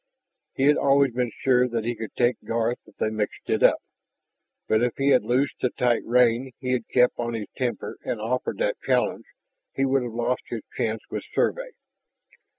He had always been sure that he could take Garth if they mixed it up. But if he had loosed the tight rein he had kept on his temper and offered that challenge, he would have lost his chance with Survey.